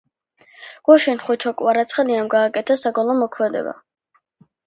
გუშინ ხვიჩა კვარაცხელიამ გააკეთა საგოლე მოქმედება.